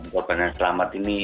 korban yang selamat ini